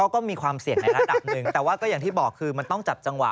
ก็มีความเสี่ยงในระดับหนึ่งแต่ว่าก็อย่างที่บอกคือมันต้องจับจังหวะ